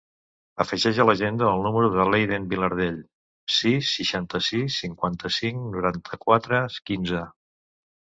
Afegeix a l'agenda el número de l'Eiden Vilardell: sis, seixanta-sis, cinquanta-cinc, noranta-quatre, quinze.